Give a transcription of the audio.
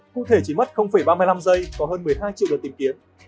cụ thể chỉ mất ba mươi năm giây có hơn một mươi hai triệu đợt tìm kiếm